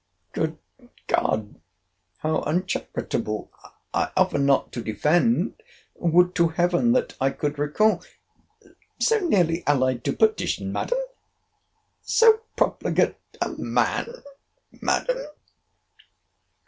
Good God!—how uncharitable!—I offer not to defend—would to Heaven that I could recall—so nearly allied to perdition, Madam!—So profligate a man, Madam!